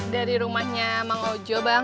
dari rumahnya bang ojo bang